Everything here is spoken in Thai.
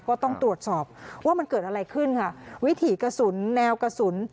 ก็ต้องตรวจสอบว่ามันเกิดอะไรขึ้นค่ะวิถีกระสุนแนวกระสุน